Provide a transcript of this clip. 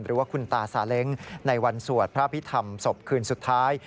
หรือว่าคุณตาสาเล้งในวันสวดพระพิธรรมศพคืนสุดท้าย